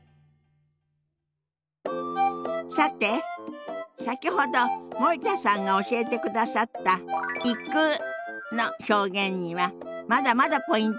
さて先ほど森田さんが教えてくださった「行く」の表現にはまだまだポイントがあるようよ。